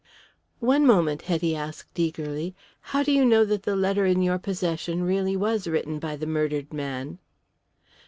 "One moment," Hetty asked eagerly. "How do you know that the letter in your possession really was written by the murdered man?"